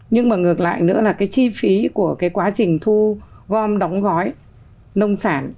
nhưng mà ngược lại nữa là cái chi phí của cái quá trình thu gom đóng gói nông sản